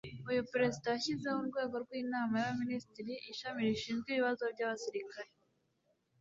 uyu perezida yashyizeho urwego rw’inama y’abaminisitiri ishami rishinzwe ibibazo by’abasirikare